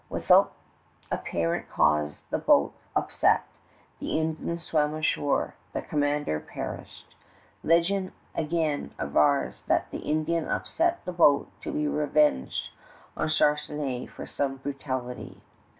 Without apparent cause the boat upset. The Indian swam ashore. The commander perished. Legend again avers that the Indian upset the boat to be revenged on Charnisay for some brutality.